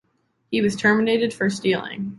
He was terminated for stealing.